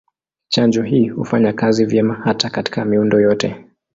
Chanjo hii hufanya kazi vyema hata katika miundo yote.